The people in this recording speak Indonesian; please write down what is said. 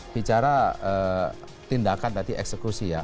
bicara tindakan tadi eksekusi ya